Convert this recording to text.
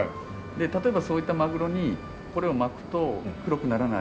例えばそういったマグロにこれを巻くと黒くならない。